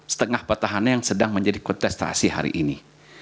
setengah petahana yang sedang menjadi kontestasi hari ini